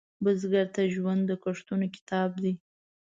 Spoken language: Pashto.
بزګر ته ژوند د کښتونو کتاب دی